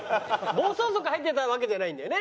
暴走族入ってたわけじゃないんだよね？